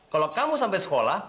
kalau kamu sampai sekolah